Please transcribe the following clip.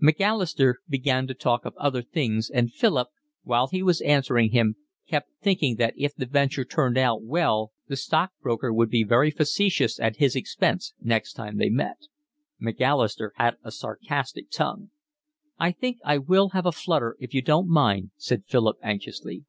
Macalister began to talk of other things and Philip, while he was answering him, kept thinking that if the venture turned out well the stockbroker would be very facetious at his expense next time they met. Macalister had a sarcastic tongue. "I think I will have a flutter if you don't mind," said Philip anxiously.